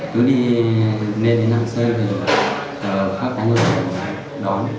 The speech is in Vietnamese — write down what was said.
tuấn đi lên đến lạng sơn thì khác có người đón